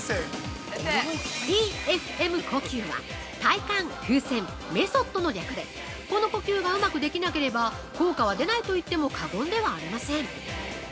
◆Ｔ・Ｆ・Ｍ呼吸は体幹・風船・メソッドの略でこの呼吸がうまくできなければ効果は出ないと言っても過言ではありません。